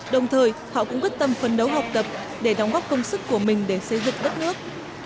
đồng thời họ cũng quyết tâm phấn đấu học tập để đóng góp công sức của mình để xây dựng đất nước